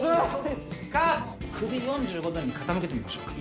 首４５度に傾けてみましょうか。